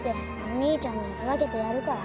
兄ちゃんのやつ分けてやるから。